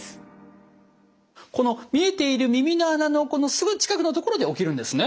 この見えている耳の穴のすぐ近くのところで起きるんですね？